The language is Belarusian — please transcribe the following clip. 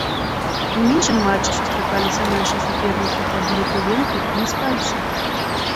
У іншым матчы сустракаліся нашыя сапернікі па групе венгры і іспанцы.